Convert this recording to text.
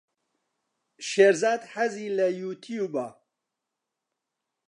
شێرزاد حەزی لە یووتیووبە.